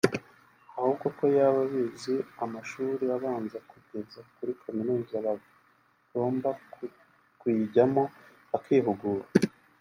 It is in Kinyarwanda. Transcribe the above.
ahubwo ko yaba abize amashuri abanza kugeza kuri kaminuza bagomba kuyijyamo bakihugura